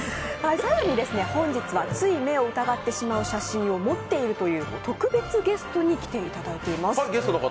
更に本日は、つい目を疑ってしまう写真を持っているという特別ゲストに来ていただいています。